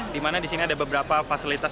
di mana di sini ada beberapa fasilitas